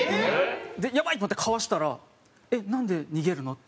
やばいと思ってかわしたら「えっなんで逃げるの？」。